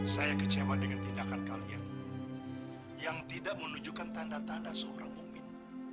saya kecewa dengan tindakan kalian yang tidak menunjukkan tanda tanda seorang bomin